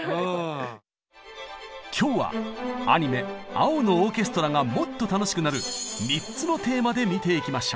今日はアニメ「青のオーケストラ」がもっと楽しくなる３つのテーマで見ていきましょう！